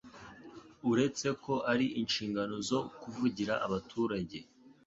uretse ko ari inshingano zo kuvugira abaturage,